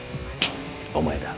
お前だ。